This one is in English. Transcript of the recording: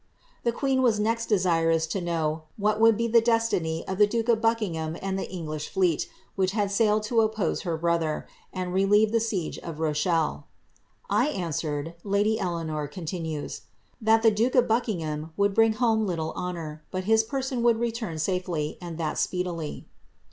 ^'^' The queen was next desirous to know what would be the destiny of the duke of Buckingham and the English fleet, which had sailed to oppoee her brother, and relieve the siege of Rochelle. *^ I answered,'' lady Eleanor continued, ^ that the duke of Buckingham would bring home little honour, but his person would return safely, and that speedily.''